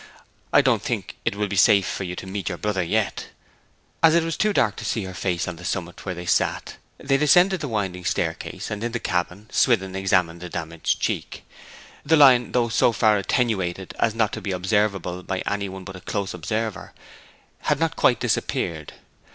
'I don't think it will be safe for you to meet your brother yet.' As it was too dark to see her face on the summit where they sat they descended the winding staircase, and in the cabin Swithin examined the damaged cheek. The line, though so far attenuated as not to be observable by any one but a close observer, had not quite disappeared.